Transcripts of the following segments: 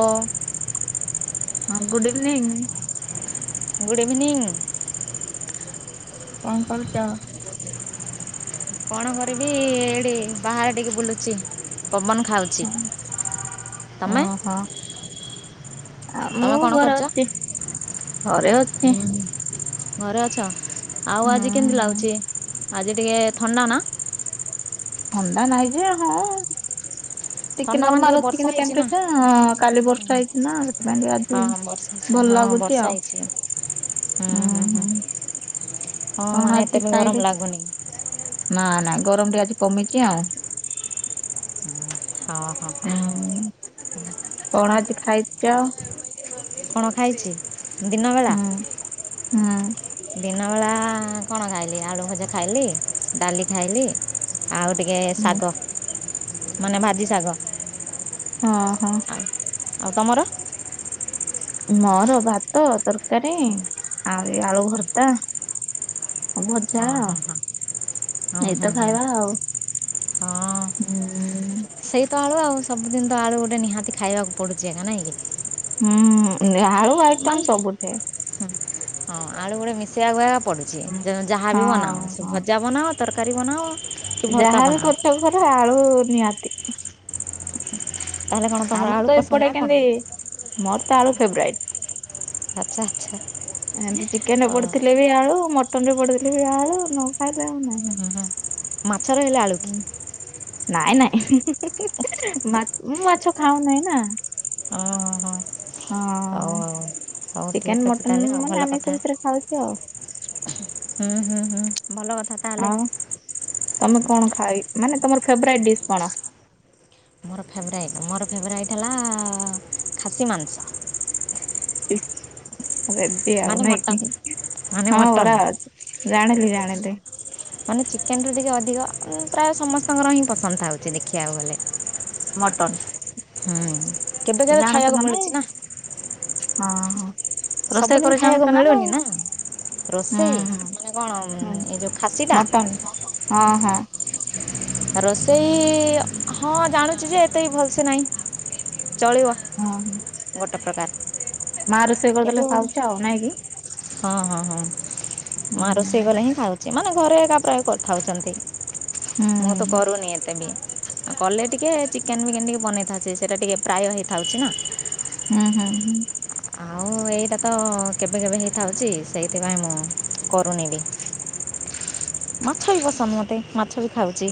ଓ ହଁ good evening. [inaudible] Good evening. କଣ କରୁଚ? କଣ କରିବି ଏଇଠି ବାହାରେ ଟିକେ ବୁଲୁଛି ପବନ ଖାଉ ଛି, ହଁ। ତମେ? ଓହୋ। ଆ ମୁଁ ତମେ କ'ଣ ଘରେ କରୁଛ ଅତି ଘରେ ଅତି। ଘରେ ଅଛ, ଆଉ ହୁଁ ଆଜି କେମିତି ଲାଗୁଛି ଆଜି ଟିକେ ଥଣ୍ଡା ନା? ଥଣ୍ଡା ନାଇଁ ଯେ ହଁ। ଟିକେ ଥଣ୍ଡା ମାନେ ନର୍ମାଲ ଅଛି ବର୍ଷା କିନ୍ତୁ ହେଇଛି ନା ଟେମ୍ପରେଚର ହଁ କାଲି ବର୍ଷା ହେଇ ନା ସେଥିପାଇଁ ଟିକେ ଆଜି ଭଲ ଲାଗୁଛି ଆଉ। ହ ଉୁଁ ହୁଁ ହୁ ହୁଁ ହଁ କଣ ମାନେ ଆଜି ଏତେ ବି ଖାଇଲେ? ଗରମ ଲାଗୁନି। ନା ନା ଗରମ ଟିକେ ଆଜି କମିଛି ଆଉ। ହଁ ହଁ। ହଁ ହୁଁ କଣ ଆଜି ଖାଇଚ। କଣ ଖାଇଛି ଦିନବେଳା? ହୁଁ ହୁଁ ଦିନବେଳା କଣ ଖାଇଲି ଆଳୁ ଭଜା ଖାଇଲି ଡାଲି ଖାଇଲି। ଆଉ ଟିକେ ହୁଁ ଶାଗ ମାନେ ଭାଜି ଶାଗ। ହଁ ହଁ। ଆଉ ଆଉ ତମର? ମୋର ଭାତ ତରକାରୀ ଆଉ ଏଇ ଆଳୁ ଭର୍ତା। ଆଉ ଭଜା ହଁ ଆଉ ହଁ ହଁ ହଁ ହଁ ଏଇତ ହଁ ଖାଇବା ଆଉ। ହଁ। ହୁଁ ସେଇ ତ ଆଳୁ ଆଉ ସବୁଦିନ ତ ଆଳୁ ଗୋଟେ ନିହାତି ଖାଇବାକୁ ପଡୁଛି ଏକା ନାଇକି? ହଁ ହୁଁ ଆଳୁ ଆଇଟମ ସବୁଠେ। ହୁଁ ହଁ ଆଳୁ ଗୋଟେ ମିଶେଇବାକୁୁଆ ପଡୁଛି ଯାହାବି ହଁ ବନାଅ ହଁ ପଜା ବନାଅ ତରକାରୀ ବନାଅ। କି ଭର୍ତ୍ତା ଯାହାବି ବନାଅ କରୁଛ କର ଆଳୁ ନିହାତି। ତାହେଲେ କ'ଣ ତମର ଆମର ଆଳୁ ତ ପସନ୍ଦ ଏପଟେ ନା କ'ଣ କେମିତି ମୋର ତ ଆଳୁ ଫେବରାଇଟ। ଆଚ୍ଛା ଆଚ୍ଛା। ଏମତି ଚିକେନ ରେ ହଉ ପଡିଥିଲେ ବି ଆଳୁ ମଟନ ରେ ପଡିଥିଲେ ବି ଆଳୁ ନ ଖାଇଲେ ନାଇଁ। ହୁଁ ହୁଁ ମାଛରେ ହେଲେ ଆଳୁ। ନାଇଁ ନାଇଁ ହିଁ ହିଁ [unintelligible] ମୁଁ ମାଛ ଖାଉ ନାହିଁ ନା? ଓ ହଁ ହଁ ଅ ଚିକେନ ମଟନ ମାନେ ଆମେ ସେ ବିଷୟରେ ଖାଉଛ ଆଉ। ହୁଁ ହୁଁ ହୁଁ ଭଲ କଥା। ତାହେଲେ ଆଉ ତମେ କଣ ଖାଇ ମାନେ ତମର ଫେବରାଇଟ୍ ଡିସ୍ କଣ? ମୋର ଫେବରାଇଟ୍ ମୋର ଫେବରାଇଟ୍ ହେଲା ଖାସି ମାଂସ। [inaudible] ରେଡି ଆଉ ମାନେ ନାଇକି ମଟନ୍ ମାନେ ହଁ ମଟନ୍ ପରା। ଜାଣିଲି ଜାଣିଲି। ମାନେ ଚିକେନେ ଟିକେ ଅଧିକ ପ୍ରାୟ ସମସ୍ତଙ୍କର ହିଁ ପସନ୍ଦ ଥାଉଛି ଦେଖିବାକୁ ଗଲେ। ମଟନ୍। ହୁଁ। କେବେ କେବେ ଜାଣୁଚ ଖାଇବାକୁ ତମେ ମିଳୁଛି ନା ହଁ ହଁ। ରୋଷେଇ କରି ସବୁଦିନି ଖାଇବାକୁ ଜାଣୁଛୁ ନାଇଁ ମିଳୁନି ନା। ହୁଁ ରୋଷେଇ ହୁଁ ମାନେ କଣ ହୁଁ ଏ ଯେଉଁ ଖାସିଟା? ମଟନ ହଁ ହଁ। ରୋଷେଇ ହଁ ଜାଣୁଛି ଯେ ଏତେ ଭଲସେ ନାହିଁ ଚଳିବ। ହଁ। ଗୋଟେ ପ୍ରକାର। ମା ରୋଷେଇ କିନ୍ତୁ କରିଦେଲେ ଖାଉଛ ଆଉ ନାଇଁ କି? ହଁ ହଁ ହଁ। ହୁଁ ମାଁ ରୋଷେଇ କଲେ ହିଁ ଖାଉଛି ମାନେ ଘରେ ଏକା ପ୍ରାୟ କରିଥାଉଛନ୍ତି? ହୁଁ ମୁଁ ତ କରୁନି ଏତେ ବି। ଆଉ କଲେ ଟିକେ ଚିକେନ ବିକେନ୍ ଟିକେ ବନେଇଥାଛି ସେଇଟା ଟିକେ ପ୍ରାୟ ହେଇଥାଉଛି ନା। ହୁଁ ହୁଁ ହୁଁ। ସେଇଟା ତ କେବେ କେବେ ହେଇଥାଉଛି ସେଇଥିପାଇଁ ମୁଁ କରୁନି ବି। ମାଛ ବି ପସନ୍ଦ ମୋତେ ମାଛ ବି ଖାଉଛି।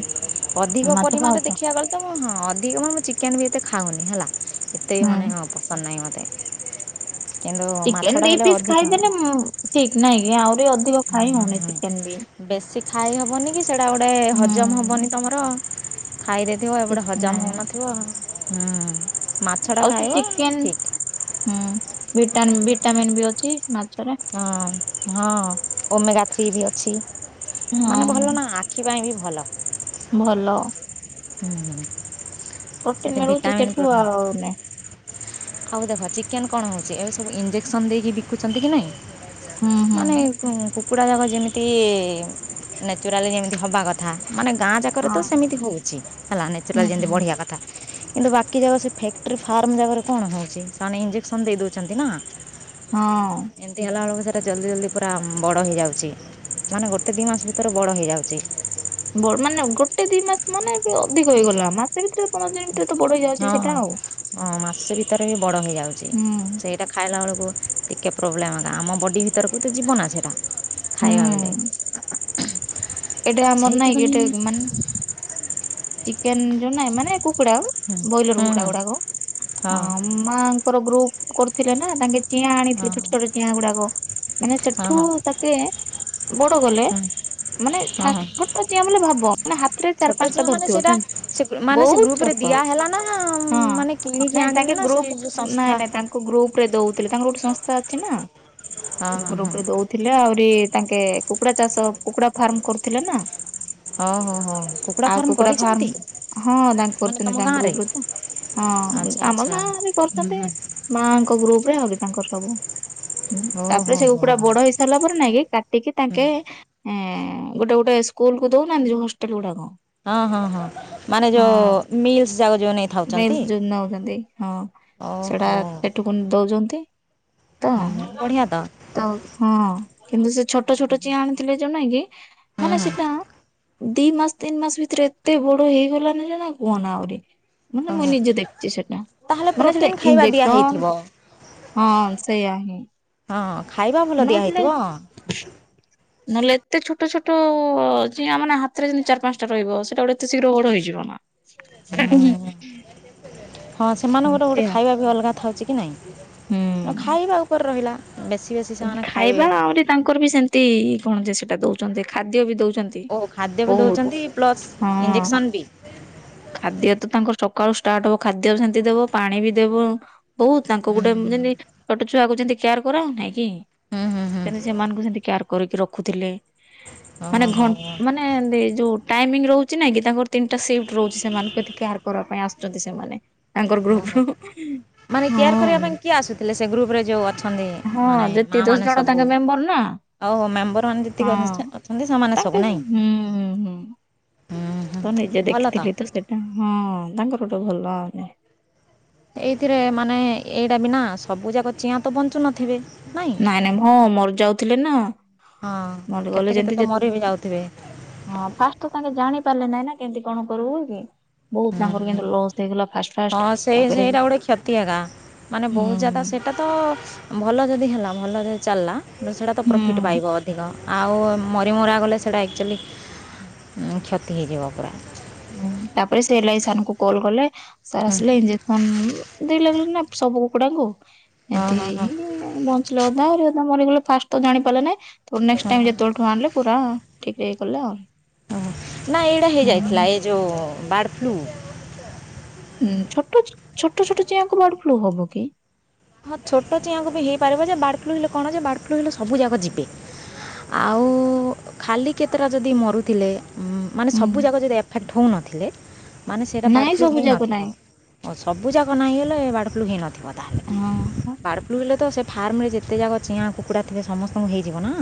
ଅଧିକ ମାଛ ପରିମାଣରେ ଖାଉଛ ଦେଖିବାକୁ ଗଲେ ତ ହଁ ଅଧିକ ମାନେ ମୁଁ ଚିକେନ ବି ଏତେ ଖାଉନି ହେଲା। ଏତେ ହୁଁ ମାନେ ପସନ୍ଦ ନାହିଁ ମୋତେ। କିନ୍ତୁ ଚିକେନ ମାଛଟା ଦି ହେଲେ ପିସ୍ ଅଧିକା ଖାଇଦେଲେ ମୁଁ ଠିକ ନାଇଁ କି ଆହୁରି ଅଧିକ ଖାଇ ହଉନି ଚିକେନ ବି। ବେଶୀ ଖାଇ ହେବନିକି ସେଇଡ଼ା ଗୋଟେ ହଜମ ହୁଁ ହବନି ତୁମର। ଖାଇଦେଇଥିବ ଏପଟେ କିଛି ହଜମ ନାଇଁ ହଉନଥିବ ହୁଁ ମା ଆଉ ସେ ଚିକେନ୍ ହୁଁ ଭିଟାନ୍ ଭିଟାମିନ୍ ବି ଅଛି ମାଛରେ। ହଁ ହଁ ଓମେଗା ଥ୍ରୀବି ଅଛି ମାନେ ହଁ ଭଲନା ଆ ଆଖି ପାଇଁବି ଭଲ। ଭଲ। ହୁଁ। ପ୍ରୋଟିନ୍ ମିଳୁଚି ସେଠୁ ଆଉ ନାଇଁ ଆଉ ଦେଖ ଚିକେନ୍ କଣ ହେଉଚି ଏସବୁ ଇଞ୍ଜେକ୍ସନ୍ ଦେଇକି ବିକୁଚନ୍ତିକି ନାଇଁ ହୁଁ ହୁଁ ମାନେ କୁକୁଡ଼ା ଯାକ ଯେମିତି ନ୍ୟାଚୁରାଲି ଯେମିତି ହବା କ ମାନେ ଗାଁ ଯାକରେତ ହଁ ସେମିତି ହଉଚି ହେଲା ନେଚୁରାଲ ହୁଁ ଯେମିତି ହୁଁ ବଢ଼ିବା କ କିନ୍ତୁ ବାକି ଯାକ ସେଫ୍ୟାକ୍ଟ୍ରି ଫାର୍ମ ଜାଗରେ କଣ ହେଉଚି ସେମାନେ ଇଞ୍ଜେକ୍ସନ୍ ଦେଇ ଦେଉଚନ୍ତିନା। ହଁ। ଏମିତି ହେଲାବେଳକୁ ସେରା ଜଲ୍ଦି ଜଲ୍ଦି ପୁରା ବଡ଼ ହେଇଯାଉଚି। ମାନେ ଗୋଟେ ଦି ମାସ ଭିତରେ ବଡ଼ ହେଇଯାଉଚି। ବ ମାନେ ଗୋଟେ ଦି ମାସ ମାନେବି ଅଧିକ ହେଇଗଲା ମା ସେ ଭିତରେ ପନ୍ଦର ଦିନ ଭିତରେତ ବଡ଼ ହେଇଯାଉଚି ହଁ ସେଟା ଆଉ ମାସେ ଭିତରେ ବି ବଡ଼ ହେଇଯାଉଛି ହୁଁ। ସେଇଟା ଖାଇଲା ବେଳକୁ ଟିକେ ପ୍ରୋବ୍ଲେମ୍ ଏକା ଆମ ବଡ଼ି ଭିତରକୁତ ଯିବନା ସେଟା। ଖାଇବା ବଲେ ହୁଁ ଏଇଟା ଆମର ନାଇଁ ସେଇଥିପାଇଁ ଚିକେନ୍ ଯୋଉ ନାଇଁ ମାନେ କୁକୁଡ଼ା ହଁ ବ୍ରଏଲର୍ କୁକୁଡ଼ା ଗୁଡ଼ାକ ହଁ ମା ଙ୍କର ଗ୍ରୁପ୍ କରୁଥିଲେନା ତାଙ୍କେ ଚିଆଁ ହଁ ଆଣିଥିଲେ ଛୋଟ ଛୋଟ ଚିଆଁ ଗୁଡ଼ାକ ମାନେ ସେଠୁ ହଁ ହଁ ତା ସେ ବଡ଼ କଲେ ହଁ ମାନେ ହଁ ଫାଷ୍ଟ ଚିଆ ବୋଲେ ଭାବ ମାନେ ହାତରେ ଚାରି ପାଞ୍ଚ ମାନେ ସେଟା ସେ ମାନେ ସେ ଗ୍ରୁପରେ ଛୋଟ ଦିଆ ହେଲାନା ହଁ ମାନେ କିଣିକି ଆଣିଲେନା ସେ ଏଯଉ ସଂସ୍ଥା ତାଙ୍କ ଗ୍ରୁପରେ ଦଉଥିଲେ ତାଙ୍କର ଗୋଟେ ସଂସ୍ଥା ଅଛିନା ହଁ ହଁ ହଁ ଗ୍ରୁପରେ ଦଉ ଥିଲେ ଆହୁରି ତାଙ୍କେ କୁକୁଡ଼ା ଚାଷ କୁକୁଡ଼ା ଫାର୍ମ କରୁଥିଲେ ନା। ଓ ହଁ ହଁ ହଁ। ଆଉ କୁକୁଡ଼ା ଫାର୍ମ ହଁ ତାଙ୍କ ମାନେ କରୁଚନ୍ତି ତୁମ ତାଙ୍କ ଗାଁରେ ଗ୍ରୁପରେତ ହଁ ଆଚ୍ଛା ଆମ ଆଚ୍ଛା ଗାଁବି ହୁଁ କରୁଚନ୍ତି ହୁଁ ମାଙ୍କ ଗ୍ରୁପରେ ଆହୁରି ତାଙ୍କର ସବୁ। ଓ ତାପରେ ହୋ ହୋ ସେକୁକୁଡ଼ା ବଡ଼ ହୁଁ ହେଇ ସାରିଲା ପରେ ନାଇଁକି କାଟିକି ତାଙ୍କେ ଏ ଗୋଟେ ଗୋଟେ ସ୍କୁଲକୁ ଦଉନାହାନ୍ତି ଯୋଉ ହଷ୍ଟେଲ ଗୁଡ଼ାକ ହଁ ହଁ ହଁ ମାନେ ଯୋଉ ମିଲ୍ସ ଯାକ ଯୋଉନେ ମିଲ୍ସି ଯୋଉ ନଉଚନ୍ତି ହଁ ସେଟା ଓହୋ ସେଠୁକୁ ଦଉଚନ୍ତି। ତ ହୁଁ ବଢ଼ିଆ ତ ତ ହଁ କିନ୍ତୁ ସେ ଛୋଟ ଛୋଟ ଚିଆଁ ଆଣିଥିଲେ ଯୋନାଇଁକି ହୁଁ ମାନେ ହୁଁ ସେଟା ଦି ମାସେ ତିନି ମାସେ ଭିତରେ ଏତେ ବଡ଼ ହେଇଗଲାନି ନା ନା କୁହନା ଆହୁରି। ମାନେ ମୁଁ ଓହୋ ନିଜେ ଦେଖୁଚି ସେଟା ତାହେଲେ ମାନେ ସେଟା ପ୍ରୋଟିନ୍ ଖାଇବା ଇଞ୍ଜେକ୍ସନ୍ ଦିଆହେଇଥିବ ହଁ ସେଇୟା ହିଁ। ହଁ ଖାଇବା ଭଲ ନହେଲେ ଦିଆହଇଥିବ। ନହେଲେ ଏତେ ଛୋଟ ଛୋଟ ଚିଆଁମାନେ ହାତରେ ଯେମିତି ଚାରି ପାଞ୍ଚଟା ରହିବ ସେଇଟା ଗୋଟେ ଏତେ ଶୀଘ୍ର ବଡ଼ ହେଇଯିବନା। [unintelligible] ହଁ ସେମାନଙ୍କର ଗୋଟେ ଏଇଆ ଖାଇବାବି ଅଲଗା ଥାଉଚିକି ନାଇଁ ହୁଁ। ନା ଖାଇବା ଉପରେ ରହିଲା ବେଶୀ ବେଶୀ ସେମାନେ ଖାଇବେ ଖାଇବା ଆହୁରି ତାଙ୍କରବି ସେମିତି କଣଯେ ସେଟା ଦଉଚନ୍ତି ଖାଦ୍ୟବି ଦଉଚନ୍ତି। ଓ ଖାଦ୍ୟବି ଦଉଚନ୍ତି ପ୍ଲସ୍ ହଁ। ଇଞ୍ଜେକ୍ସନବି। ଖାଦ୍ୟ ତ ତାଙ୍କର ସକାଳୁ ଷ୍ଟାର୍ଟ ହବ ଟିକେ ଖାଦ୍ୟ ସେମିତି ଦେବ ପାଣି ବି ଦେବ। ବହୁ ତାଙ୍କ ହୁଁ ଗୋଟେ ଯେମିତି ଛୋଟ ଛୁଆକୁ ଯେମିତି କେୟାର କରାହଉନେଇ କି। ହୁଁ ହୁଁ ହୁଁ ସେମିତି ସେମାନଙ୍କୁ ସେମିତି କେୟାର କରିକି ରଖୁଥିଲେ। ମାନେ ଓହୋ ଘ ହୋ ମାନେ ଦି ଯୋଉ ଟାଇମିଙ୍ଗ ରହୁଚି ନାଇଁ କି। ତାଙ୍କର ତିନିଟା ସିପ୍ ରହୁଛି ସେମାନଙ୍କୁ ଏଠି କେୟାର କରିବା ପାଇଁ ଆସଛନ୍ତି ସେମାନେ ତାଙ୍କର ଗ୍ରୁପ ଓହୋ ରୁ ମାନେ କେୟାର କରିବା ପାଇଁ କିଏ ଆସୁଥିଲେ। ସେ ଗ୍ରୁପରେ ଯୋଉ ଅଛନ୍ତି ହଁ ମାନେ ଯେତିକି ମା ଦଶ ମାନେ ଜଣ ତାଙ୍କ ସବୁ। ମେମ୍ବର ନା ଆଉ ମେମ୍ବର ମାନେ ଯେତିକି ହଁ। ଆଛ୍ ଅଛନ୍ତି ସେମାନେ ତାଙ୍କେ ସବୁ ନାହିଁ ହୁଁ। ହୁଁ ତୁ ନିଜେ ଭଲ ଦେଖିଥିଲି ତ ସେଟା ହଁ ତାଙ୍କର ଗୋଟେ ଭଲ ଆଉନି। ଏଇଥିରେ ମାନେ ଏଇଟା ବିନା ସବୁ ଯାକ ଚିଆଁ ତ ବଞ୍ଚୁ ନଥିବେ। ନାଇଁ ନାଇଁ ମୋ ମରି ଯାଉଥିଲେ ନା। ମୋର ହଁ ଗଲେ କେତେ କେତେ ଯେମିତି ତ ଯେତେ ମରି ବିି ଯାଉଥିବେ। ହଁ ଫାଷ୍ଟ ତାଙ୍କେ ଜାଣି ପାରିଲେ ନାଇଁ ନା କେମିତି କଣ କରିବୁ ବୋଲି ବହୁତ ତାଙ୍କର ହୁଁ, କିନ୍ତୁ ଲସ୍ ସେ ଗଲା ଫାଷ୍ଟ ଫା ହଁ ସେଇ ସେଇଟା ଗୋଟେ କ୍ଷତିଆ ଗାଁ ମାନେ ବହୁତ ଜାଦା ହୁଁ ସେ ତାକୁ ଭଲ ଯଦି ହେଲା ଭଲରେ ଚାଲିଲା। କିନ୍ତୁ ସେଡା ତ ପ୍ରଫିଟ୍ ହୁଁ। ପାଇବ ଅଧିକ ଆଉ ମରି ମୁରା ଗଲେ ସେଡା ଆକ୍ଚୁଆଲି କ୍ଷତି ହେଇଯିବ ପୁରା। ହୁଁ ତାପରେ ସେ ଏଲାଇସାନଙ୍କୁ କଲ୍ କଲେ। ସାରା ହୁଁ, ଆସିଲେ ଇଞ୍ଜେକ୍ସନ ଦେଇ ଲାଗିଲା ନା ସବୁ କୁକୁଡାଙ୍କୁ। ହଁ ଏମିତି ହଁ ହେଇ ହଁ ହେଇ ବଞ୍ଚିଲେ ଅଧା ଆହୁରି ଅଧା ମରିଗଲେ ଫାଷ୍ଟ ତ ଜାଣି ପାରିଲେ ନାଇଁ। ପୁଣି ନେକ୍ସଟ ହଁ ଟାଇମ ହଁ ଯେତେବେଳେଠୁ ଆଣିଲେ ପୁରା ଠିକ୍ ହେଇଗଲା। ଓହୋ ନାଁ ଏଇଡା ହେଇଯାଇଥିଲା ଏ ଯୋଉ ବାର୍ଡ଼ ଫ୍ଲୁ। ଉୁଁ ଛୋଟଚ ଛୋଟ ଛୋଟ ଚିଆଁକୁ ବାର୍ଡ ଫ୍ଲୁ ହବ କି। ହଁ ଛୋଟ ଚିଆଁକୁ ବି ହେଇପାରିବ ଯେ ବାର୍ଡ଼ ଫ୍ଲୁ ହେଲେ କଣ ଯେ ବାର୍ଡ଼ ଫ୍ଲୁ ହେଲେ ସବୁ ଯାକ ଯିବେ। ଆଉ ଖାଲି କେତେଟା ଯଦି ମରୁଥିଲେ। ମାନେ ହୁଁ ସବୁ ଯାକ ଯଦି ଏଫେକ୍ଟ ହେଉନଥିଲେ। ମାନେ ସେଇଟା ବାର୍ଡ଼ ନାଇଁ ଫ୍ଲୁ ସବୁ ଯାକ ହେଇନଥିବ ନାଇଁ ଓ ସବୁ ଯାକ ନାହିଁଗଲେ ବାର୍ଡ଼ ଫ୍ଲୁ ହେଇନଥିବ ତାହେଲେ। ହଁ ବାର୍ଡ ଫ୍ଲୁ ହେଲେ ତ ସେ ଫାର୍ମରେ ଯେତେ ଯାକ ଚିଆଁ କୁକୁଡ଼ା ଥିବ ସମସ୍ତଙ୍କୁ ହେଇଯିବ ନା।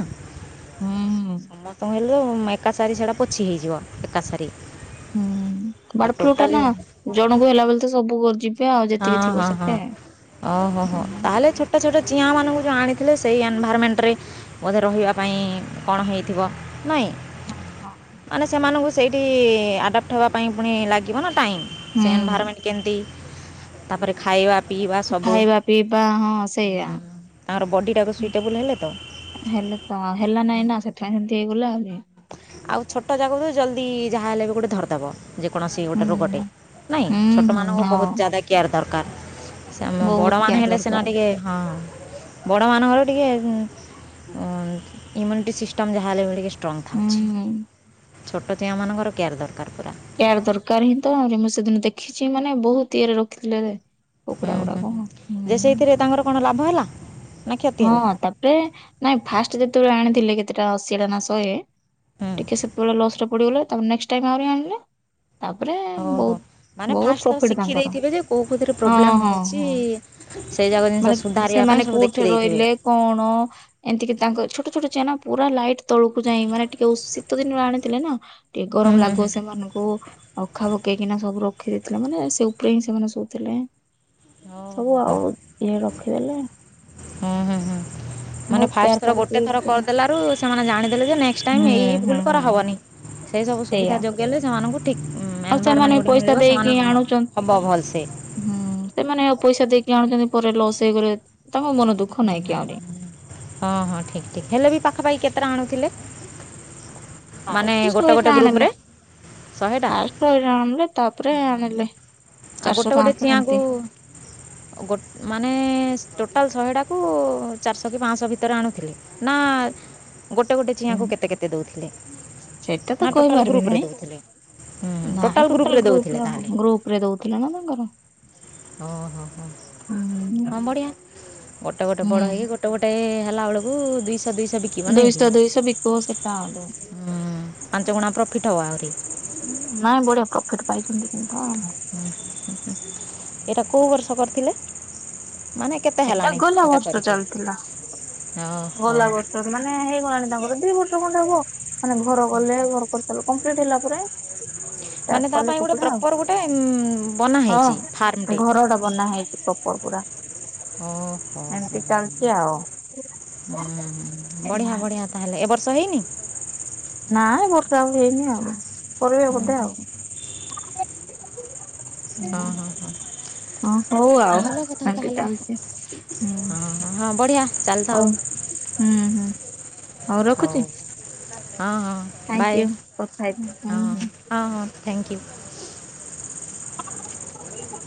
ହୁଁ। ସମସ୍ତଙ୍କୁ ହେଲେ ମୋ ଏକାସାରି ସେଟା ପୋଛି ହେଇଯିବ ଏକାସାରି। ହୁଁ ବାର୍ଡ ଫ୍ଲୁଟା ନା ଜଣଙ୍କୁ ହେଲା ବୋଲି ତ ସବୁ କୋ ଯି ହଁ ହଁ ହଁ ଓହୋ ଓହୋ ହୁଁ। ତାହେଲେ ଛୋଟ ଛୋଟ ଚିଆଁ ମାନଙ୍କୁ ଯୋଉ ଆଣିଥିଲେ। ସେଇ ଏନଭାଇରମେଣ୍ଟରେ ବୋଧେ ରହିବା ପାଇଁ କଣ ହେଇଥିବ। ନାଇଁ ମାନେ ସେମାନଙ୍କୁ ସେଇଠି ଆଡାପ୍ଟ ହେବା ପାଇଁ ପୁଣି ଲା ଲାଗିବ ନା ଟାଇମ ସେ ହୁଁ ଏନଭାଇରମେଣ୍ଟ କେମିତି ତାପରେ ଖାଇବା ପିଇବା ସବୁ ଖାଇବା ପିଇବା ହଁ ସେଇଆ। ତାଙ୍କର ବଡ଼ିଟାକୁ ସୁଇଟେବୁଲ୍ ହେଲେ ତ। ହେଲେ ତ ହେଲା ନାଇଁ ନା ସେଥିପାଇଁ ସେମିତି ହେଇଗଲା ଆହୁରି। ଆଉ ଛୋଟ ଯାକକୁ ତ ଜଲ୍ଦି ଯାହାହେଲେ ବି ଗୋଟେ ଧରିଦେବ। ଯେକୌଣସି ହୁଁ ଗୋଟେ ରୋଗଟେ ନାଇଁ ହୁଁ ହୁଁ ଛୋଟମାନଙ୍କୁ ହଁ। ବହୁତ ଜାଦା କେୟାର ଦରକାର। ସେ ଆମ ବଡ଼ ବହୁତ ମାନ କେୟାର ହେଲେ ସିନା ଦରକାର ଟିକେ ହଁ। ବଡ଼ମାନଙ୍କର ଟିକେ ଇମ୍ୟୁନିଟି ସିଷ୍ଟମ୍ ଯାହା ହେଲେ ଟିକେ ଷ୍ଟ୍ରଙ୍ଗ୍ ଥାଉଚି ହୁଁ। ଛୋଟ ଚିଆଁ ମାନଙ୍କର କେୟାର ଦରକାର ପୁରା। କେୟାର ଦରକାର ହିଁ ତ ମୁଁ ସେଦିନ ଦେଖିଛି ମାନେ ବହୁତ ଇଏରେ ରଖିଥିଲେରେ। ହୁଁ ହୁଁ ହୁଁ ଯେ ସେଇଥିରେ ତାଙ୍କର କଣ ଲାଭ ହେଲା? ନା କ୍ଷତି ହଁ ହେଲା ତାପରେ ନାଇଁ ଫାଷ୍ଟ ଯେତେବେଳେ ଆଣିଥିଲେ କେତେଟା ଅଶିଟା ନା ଶହେ। ହୁଁ ଟିକେ ସେତେବେଳେ ଲସ ରେ ପଡିଗଲେ ତା ନେକ୍ସଟ ଟାଇ ଆହୁରି ଆଣିଲେ। ତାପରେ ଓହୋ ବହୁତ ମାନେ ବହୁତ ଫାଷ୍ଟ ତ ପ୍ରଫିଟ ଶିଖି ତାଙ୍କର ଦେଇଥିବେ ଯେ କେୋଉ କେଉଁଥିରେ ହଁ ପ୍ରୋବ୍ଲେମ୍ ହଁ ହେଉଛି ହଁ ସେଇ ଯାକ ମାନେ ଜିନିଷ ସୁଧାରିବା ସେମାନେ ପାଇଁ ସବୁ ଦେଖି କୋଉଠି ଦେଇଥିବେ ରହିଲେ କଣ। ଏମିତିକି ତାଙ୍କ ଛୋଟ ଛୋଟ ଚା ନା ପୁରା ଲାଇଟ୍ ତଳକୁ ଯାଇଏ ମାନେ ଟିକେ ଶୀତ ଦିନରୁ ଆଣିଥିଲେ ନା ଟିକେ ହୁଁ ଗରମ ହୁଁ ହୁଁ ଲାଗୁ ସେମାନଙ୍କୁ ଅଖା ପକେଇକିନା ସବୁ ରଖି ଦେଇେଇଥିଲେ ମାନେ ସେ ଉପରେ ହିଁ ସେମାନେ ଶୋଥିଲେ। ଓ ହୋ ହୋ ହୁଁ ରଖିଦେଲେ ହୁଁ ହୁଁ। ମାନେ ବହୁତ କେୟାର ଫାଷ୍ଟ ଥର କରିକି ଗୋଟେ ଥର ହୁଁ କରିଦେଲାରୁ ସେମାନେ ଜାଣିଦେଲେ ଯେ ନେକ୍ସଟ ଟାଇମ ଏଇ ଭୁଲ ହୁଁ ହୁଁ କରାହବନି। ସେଇ ସବୁ ସେଇଆ ସୁବିଧା ଯୋଗେଇଲେ ସେମାନଙ୍କୁ। ଠିକ ଆଉ ସେମାନେ ଏନଭରମେଣ୍ଟ ଗୁଟିକ ପଇସା ମିଳିବ ସେମାନେ ଦେଇକି ଆଣୁଛନ୍ତି ହବ ଭଲ ସେ। ହୁଁ ସେମାନେ ପଇସା ଦେଇକି ଆଣୁଛନ୍ତି ପରେ ଲସ୍ ହେଇଗଲେ ତାଙ୍କ ମନ ଦୁଃଖ ନହିଁକି ଆହୁରି। ହଁ ହଁ ଠିକ ଠିକ ହେଲେ ବି ପାଖାପାଖି କେତେଟା ଆଣୁଥିଲେ? ମାନେ ଫାଷ୍ଟ ଗୋଟେ ଗୋଟେ ସ ଆଣଲେେ ଗ୍ରୁପରେ ଶହେଟା? ଫାଷ୍ଟ ଆଣଲ ତାପରେ ଆଣଲେ। ଆଉ ଗୋଟେ ଚାରିଶହ ଗୋଟେ ପାଞ୍ଚଶହ ଚିଆଁକୁ ଏମିତି। ଗୋ ମାନେ ଟୋଟାଲ ଶହେଟାକୁ ଚାରିଶହ କି ପାଞ୍ଚଶହ ଭିତରେ ଆଣୁଥିଲି। ନା ଗୋଟେ ଗୋଟେ ହୁଁ ଚିଆଁକୁ କେତେ କେତେ ଦଉଥିଲେ? ସେଟା ତ ନା ଟୋଟାଲ୍ କହିପାରିବି ଗ୍ରୁପ୍ରେ ନାଇଁ ଦେଉଥିଲେ ନାଇଁ ଟୋଟାଲ୍ ଟୋଟାଲ ଗ୍ରୁପ୍ରେ ଦେଉଥିଲେ ଗ୍ରୁପ ର ତାହେଲେ ଗ୍ରୁପ ଉପରେ ଦଉଥିଲା ନା ତାଙ୍କର। ଓଁ ହୋ ହୋ ହୁଁ। ହଁ ବଢ଼ିଆ ଗୋଟେ ଗୋଟେ ବଡ଼ ହୁଁ ହେଇକି ଗୋଟେ ଗୋଟ ଗୋଟେ ହେଲା ବେଳକୁ ଦୁଇଶହ ଦୁଇଶହ ବିକିବ ନାହିଁ କି ଦୁଇଶହ ଦୁଇଶହ ବିକିବ ସେଟା ଆହୁରି ପାଞ୍ଚ ଗୁଣା ପ୍ରଫିଟ୍ ହେବ ଆହୁରି ହଁ ନାଇଁ ବଢିଆ ପ୍ରଫିଟ ପାଇଛନ୍ତି କିନ୍ତୁ ଆଉ ହ ହୁ ଏଇଟା କେଉଁ ବର୍ଷ କରିଥିଲେ? ମାନେ କେତେ ଏଇଟା ହେଲାଣି ଗଲା ଏଟା ବର୍ଷ କରିକି ଚାଲିଥିଲା। ଓହୋ ଗଲା ବର୍ଷ ମାନେ ହେଇଗଲାଣି ତାଙ୍କର ଦି ବର୍ଷ ଖଣ୍ଡେ ହବ ମାନେ ଘର ଗଲେ ଘର କରିସାରଲୁ କମ୍ପ୍ଲିଟ୍ ହେଲା ପରେ ହ ମାନେ ତା କଲେ ପାଇଁ ଗୋଟେ କୁକୁଡା ପ୍ରପର୍ ଗୋଟେ ବନା ଆଉ ହେଇଛି ହଁ ଫାର୍ମଟେ ଘର ଟା ବନା ହେଇଛି ଉପର୍ପୁରା ଓହୋ ହ ହ ଆଉ। ହ ବଢିଆ ବଢ଼ିଆ ତାହେଲେ ଏବ ବର୍ଷ ହେଇନି? ନାଇଁ ବର୍ଷା ଆଉ ହେଇନି ଆଉ। ହଁ ହ ହ । ହଁ ହଁ ହଁ। ହଉ ଆଉ ଭଲ କଥା ଏମିତି ତାହେଲେ ଚାଲିଛି ହୁଁ ହଁ ହଁ ବଢିଆ ହଉ ହୁଁ ହୁଁ। ହଉ ହଁ ହଁ ରଖୁଛିଥା ବାଏ ହୁଁ ହଁ ହୁଁ। ହଁ ହଁ ଥ୍ୟାଙ୍କୟୁ। ।